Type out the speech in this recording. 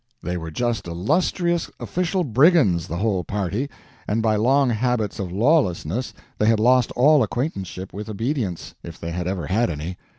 They were just illustrious official brigands, the whole party; and by long habits of lawlessness they had lost all acquaintanceship with obedience, if they had ever had any.